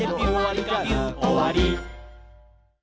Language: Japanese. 「おわり」